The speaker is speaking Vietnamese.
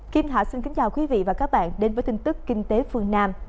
kim hạ xin kính chào quý vị và các bạn đến với tin tức kinh tế phương nam